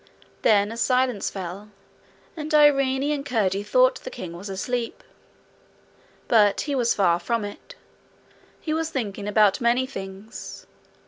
Then a silence fell, and Irene and Curdie thought the king was asleep. But he was far from it; he was thinking about many things.